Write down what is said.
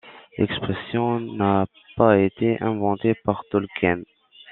L'expression ' n'a pas été inventée par Tolkien.